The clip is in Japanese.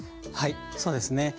はいそうですね。